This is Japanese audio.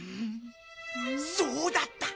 そうだった！